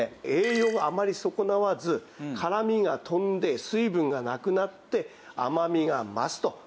栄養があまり損なわず辛みが飛んで水分がなくなって甘みが増すと。